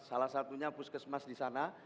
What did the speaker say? salah satunya puskesmas di sana